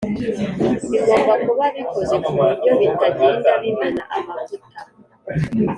bigomba kuba bikoze ku buryo bitagenda bimena amavuta